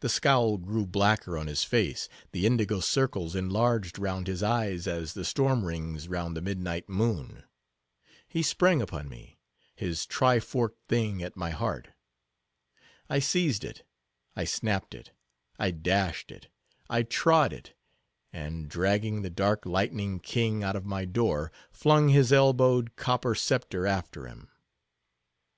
The scowl grew blacker on his face; the indigo circles enlarged round his eyes as the storm rings round the midnight moon. He sprang upon me; his tri forked thing at my heart. I seized it; I snapped it; I dashed it; I trod it; and dragging the dark lightning king out of my door, flung his elbowed, copper sceptre after him.